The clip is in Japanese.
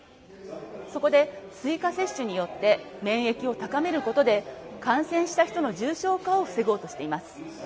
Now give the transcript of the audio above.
そこで追加接種によって免疫を高めることで感染した人の重症化を防ごうとしています。